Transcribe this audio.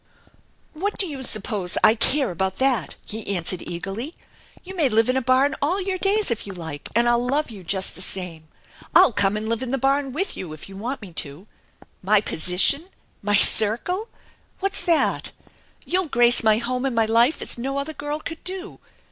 "" What do you suppose I care about that ?" he answered eagerly. " You may live in a barn all your days if you like, and I'll love you just the same. I'll come and live in the barn with you if you want me to. My position ! My circle ! What's that ? You'll grace my home and my life as no other girl could do.